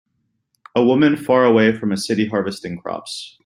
A woman far away from a city harvesting crops.